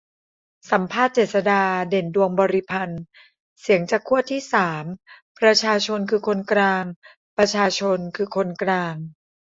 สัมภาษณ์ เจษฎา เด่นดวงบริพันธ์ : เสียงจากขั้วที่สาม 'ประชาชนคือคนกลาง' ประชาชนคือคนกลาง